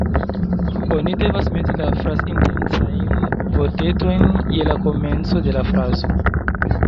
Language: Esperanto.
Oni devas meti la "fraz-intencajn" vortetojn je la komenco de la frazo